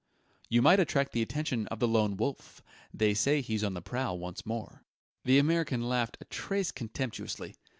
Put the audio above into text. "You might attract the attention of the Lone Wolf. They say he's on the prowl once more." The American laughed a trace contemptuously.